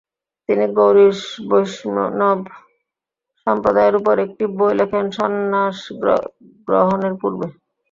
তিনি গৌড়ীয় বৈষ্ণব সম্প্রদায়ের উপর একটি বই লেখেন সন্ন্যাস গ্রহণের পূর্বে।